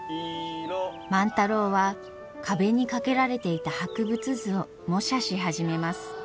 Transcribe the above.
万太郎は壁に掛けられていた博物図を模写し始めます。